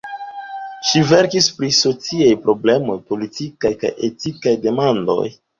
Ŝi verkis pri sociaj problemoj, politikaj kaj etikaj demandoj.